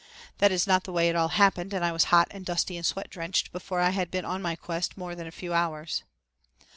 That is not the way it all happened and I was hot and dusty and sweat drenched before I had been on my quest more than a few hours.